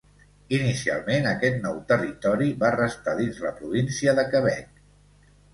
Inicialment aquest nou territori va restar dins la província de Quebec.